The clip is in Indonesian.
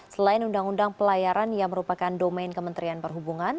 selain undang undang pelayaran yang merupakan domain kementerian perhubungan